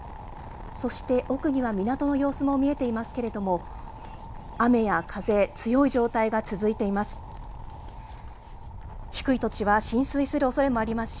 そして奥には港の様子も見えていますけれども、雨や風、強い状態が続いています。